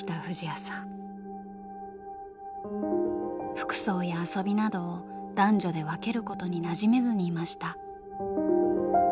服装や遊びなどを男女で分けることになじめずにいました。